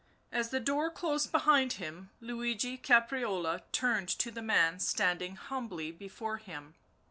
As the door closed behind him Luigi Caprarola turned to the man standing humbly before him.